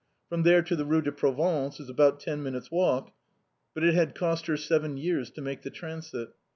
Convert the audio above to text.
From there to the Rue de Provence is about ten minutes' walk, but it had cost her seven years to make the transit.